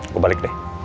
gue balik deh